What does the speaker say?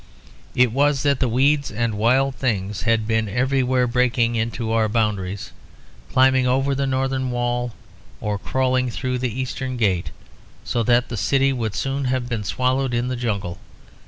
It was that the weeds and wild things had been everywhere breaking into our boundaries, climbing over the northern wall or crawling through the eastern gate, so that the city would soon have been swallowed in the jungle.